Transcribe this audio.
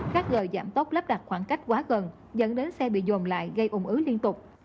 các gờ giảm tốc lắp đặt khoảng cách quá gần dẫn đến xe bị dồn lại gây ủng ứ liên tục